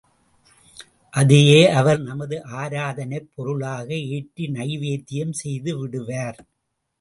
அதையே அவர் நமது ஆராதனைப் பொருளாக ஏற்று நைவேத்தியம் செய்து விடுவார்.